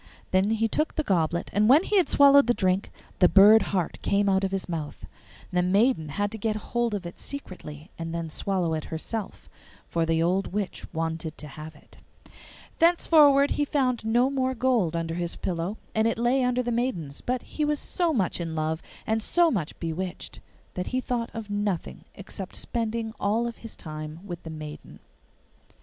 Then he took the goblet, and when he had swallowed the drink the bird heart came out of his mouth. The maiden had to get hold of it secretly and then swallow it herself, for the old witch wanted to have it. Thenceforward he found no more gold under his pillow, and it lay under the maiden's; but he was so much in love and so much bewitched that he thought of nothing except spending all his time with the maiden.